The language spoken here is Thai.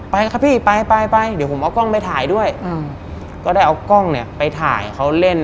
ไปครับพี่ไปไปเดี๋ยวผมเอากล้องไปถ่ายด้วยอืมก็ได้เอากล้องเนี่ยไปถ่ายเขาเล่น